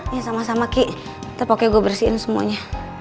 iya sama sama ki nanti pokoknya gue bersihin semuanya